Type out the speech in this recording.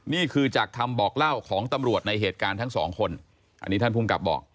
นี่คือจากคำบอกเล่าของตำรวจในเหตุการณ์ทั้งสองคนอันนี้ท่านภูมิกับบอก